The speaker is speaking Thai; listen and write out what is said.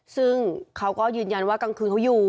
ซึ่งเขาก็ยืนยันว่ากลางคืนเขาอยู่